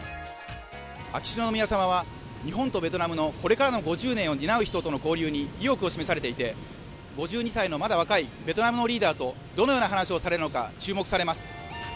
秋篠宮さまは日本とベトナムのこれからの５０年を担う人との交流に意欲を示されていて、５２歳のまだ若いベトナムのリーダーとどのような話をされるのか注目されます。